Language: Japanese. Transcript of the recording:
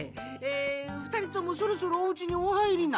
ふたりともそろそろおうちにおはいりな。